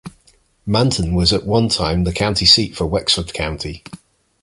Manton was at one time the county seat for Wexford County.